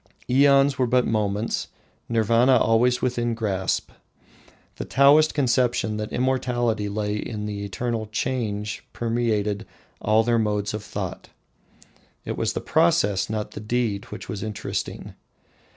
Aeons were but moments Nirvana always within grasp. The Taoist conception that immortality lay in the eternal change permeated all their modes of thought. It was the process, not the deed, which was interesting.